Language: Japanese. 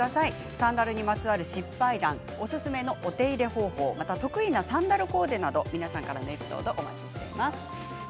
サンダルにまつわる失敗談おすすめのお手入れ方法得意なサンダルコーデなど皆さんからのエピソードお待ちしています。